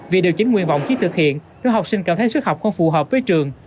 vì điều chính nguyện vọng khi thực hiện nếu học sinh cảm thấy sức học không phù hợp với trường